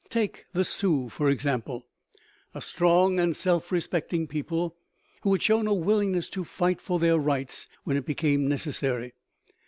Take the Sioux, for example a strong and self respecting people who had shown a willingness to fight for their rights when it became necessary.